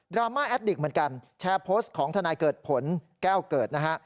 ราม่าแอดดิกเหมือนกันแชร์โพสต์ของทนายเกิดผลแก้วเกิดนะฮะ